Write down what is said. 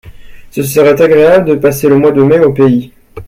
Ce sera agréable de passer le mois de mai au pays.